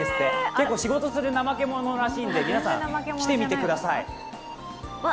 結構仕事するナマケモノらしいんで、皆さん来てみてください。